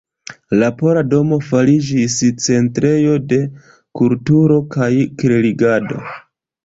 La Pola domo fariĝis centrejo de kulturo kaj klerigado.